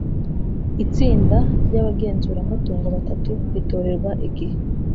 Itsinda ry abagenzuramutungo batatu ritorerwa igihe